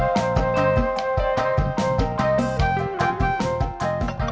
kau merasa lebih mahat dengan nanti